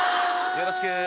よろしく。